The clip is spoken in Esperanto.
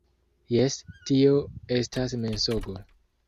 - Jes, - Tio estas mensogo.